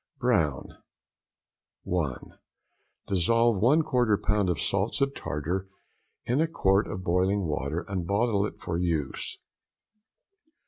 Brown.—1. Dissolve a 1/4 lb. of salts of tartar in a quart of boiling water, and bottle it for use.